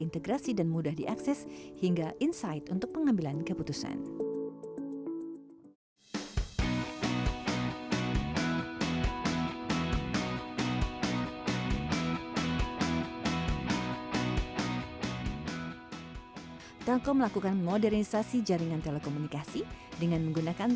kemudian produk mereka akan dipublikasikan